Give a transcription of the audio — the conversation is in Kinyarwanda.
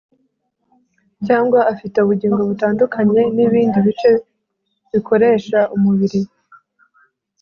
cyangwa afite ubugingo butandukanye n’ibindi bice bikoresha umubiri?